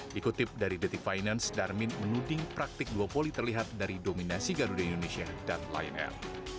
dikutip dari detik finance darmin menuding praktik duopoly terlihat dari dominasi garuda indonesia dan lion air